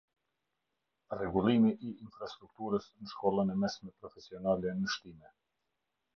Rregullimi i infrastruktures në shkollen e mesme profesionale në shtime